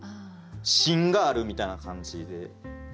しんがあるみたいな感じで。